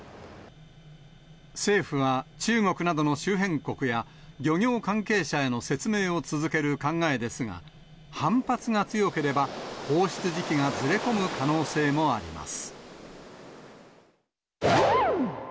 政府は中国などの周辺国や、漁業関係者への説明を続ける考えですが、反発が強ければ、放出時期がずれ込む可能性もあります。